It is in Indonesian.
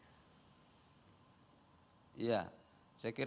ya saya kira semua pihak harus menyelesaikan